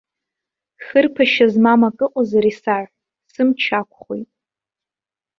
Хырԥашьа змам акрыҟазар исаҳә, сымч ақәхоит.